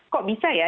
kok bisa ya